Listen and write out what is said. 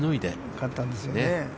勝ったんですよね。